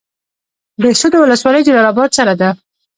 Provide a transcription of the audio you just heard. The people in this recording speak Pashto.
بهسودو ولسوالۍ جلال اباد سره ده؟